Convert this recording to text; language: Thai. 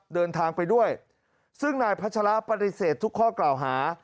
เดินทางไปด้วยซึ่งนายพัชระปฏิเสธทุกข้อกล่าวหา